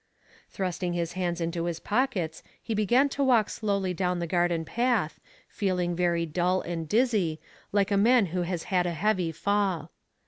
*' Thrusting his hands into his pockets he began to walk slowly down the garden path, feeling very dull and dizzy, like a man who has had a heavy fall.